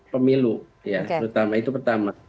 pemilu ya terutama itu pertama